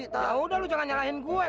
tau udah lu jangan nyalahin gue